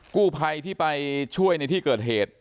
กู้ภัยที่ไปช่วยในที่เกิดเหตุ